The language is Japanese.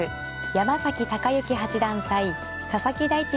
山崎隆之八段対佐々木大地